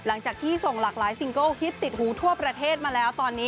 หลังจากที่ส่งหลากหลายซิงเกิลฮิตติดหูทั่วประเทศมาแล้วตอนนี้